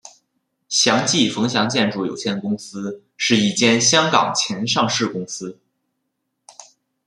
祥记冯祥建筑有限公司是一间香港前上市公司。